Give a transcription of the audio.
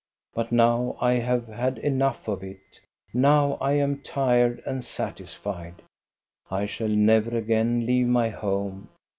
But now I have had enough of it, now I am tired and satisfied. I shall never again leave my home.